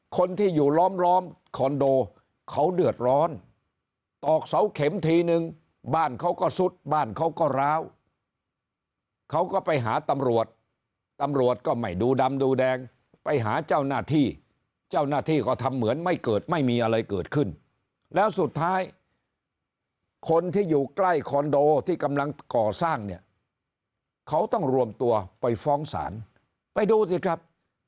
คนที่อยู่ล้อมคอนโดเขาเดือดร้อนตอกเสาเข็มทีนึงบ้านเขาก็ซุดบ้านเขาก็ร้าวเขาก็ไปหาตำรวจตำรวจก็ไม่ดูดำดูแดงไปหาเจ้าหน้าที่เจ้าหน้าที่ก็ทำเหมือนไม่เกิดไม่มีอะไรเกิดขึ้นแล้วสุดท้ายคนที่อยู่ใกล้คอนโดที่กำลังก่อสร้างเนี่ยเขาต้องรวมตัวไปฟ้องศาลไปดูสิครับ